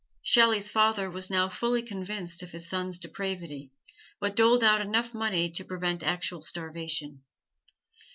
Shelley's father was now fully convinced of his son's depravity, but doled out enough money to prevent actual starvation.